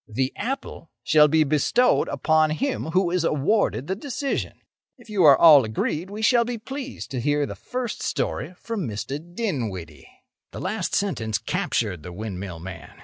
The apple shall be bestowed upon him who is awarded the decision. If you are all agreed, we shall be pleased to hear the first story from Mr. Dinwiddie." The last sentence captured the windmill man.